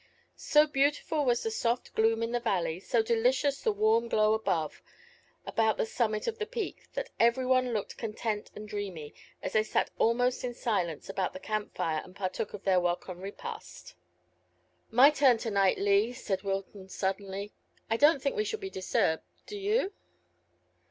So beautiful was the soft gloom in the valley, so delicious the warm glow above, about the summit of the peak, that every one looked content and dreamy, as they sat almost in silence about the camp fire and partook of their welcome repast. "My turn to night, Lee," said Wilton suddenly. "I don't think we shall be disturbed do you?"